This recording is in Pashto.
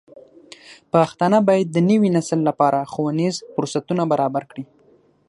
پښتانه بايد د نوي نسل لپاره ښوونیز فرصتونه برابر کړي.